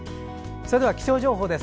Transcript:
それでは気象情報です。